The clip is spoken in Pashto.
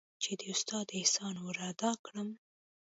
چې د استاد احسان ورادا كړم.